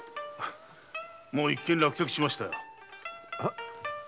もう一件落着しましたよ。